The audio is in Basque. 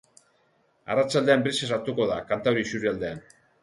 Arratsaldean brisa sartuko da kantauri isurialdean.